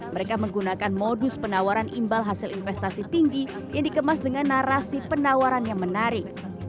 mereka menggunakan modus penawaran imbal hasil investasi tinggi yang dikemas dengan narasi penawaran yang menarik